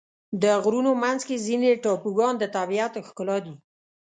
د غرونو منځ کې ځینې ټاپوګان د طبیعت ښکلا دي.